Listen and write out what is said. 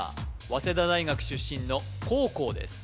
早稲田大学出身の黄皓です